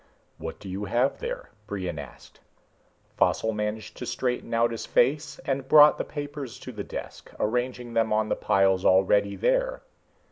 "What do you have there?" Brion asked. Faussel managed to straighten out his face and brought the folders to the desk, arranging them on the piles already there.